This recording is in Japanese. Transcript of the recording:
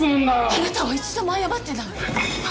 あなたは一度も謝ってない！